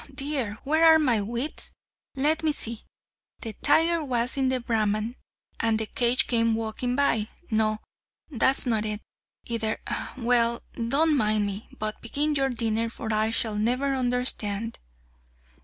dear! where are my wits? Let me see the tiger was in the Brahman, and the cage came walking by no, that's not it, either! Well, don't mind me, but begin your dinner, for I shall never understand!"